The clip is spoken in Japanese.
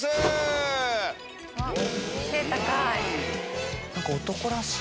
背高い。